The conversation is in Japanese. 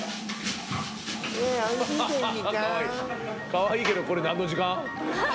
かわいいけどこれ何の時間？